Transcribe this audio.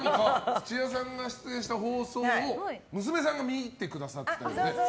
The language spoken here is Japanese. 土屋さんが出演した放送を娘さんが見てくださってたんですよね。